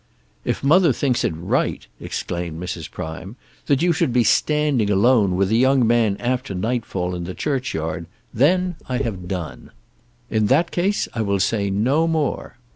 "If mother thinks it right," exclaimed Mrs. Prime, "that you should be standing alone with a young man after nightfall in the churchyard, then I have done. In that case I will say no more.